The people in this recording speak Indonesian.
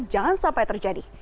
jangan sampai terjadi